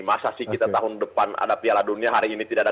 masa sih kita tahun depan ada piala dunia hari ini tidak ada